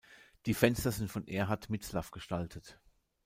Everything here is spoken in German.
Die Fenster sind von Erhart Mitzlaff gestaltet.